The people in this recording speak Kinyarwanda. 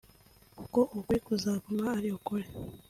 kuko ukuri kuzaguma ari ukuri